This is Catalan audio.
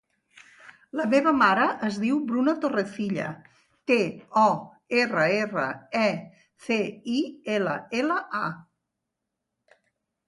La meva mare es diu Bruna Torrecilla: te, o, erra, erra, e, ce, i, ela, ela, a.